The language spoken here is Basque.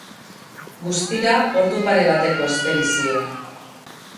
Guztira ordu pare bateko espedizioa.